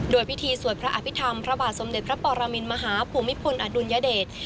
โดยพิธีสวดพระอภิษฐรรมพระบาทสมเด็จพระปรมินมหาภูมิพลอดุลยเดช